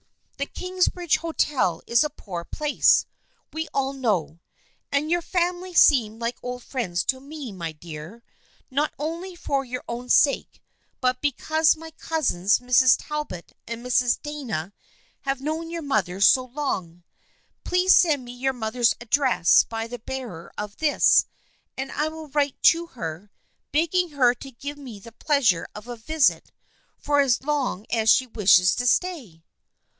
" The Kingsbridge Hotel is a poor place, we all know, and your fam ily seem like old friends to me, my dear, not only for your own sake but because my cousins Mrs. Talbot and Mrs. Dana have known your mother so long. Please send me your mother's address by the bearer of this and I will write to her, begging her to give me the pleasure of a visit for as long as she wishes to stay."